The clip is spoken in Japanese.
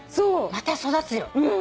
また育つよ。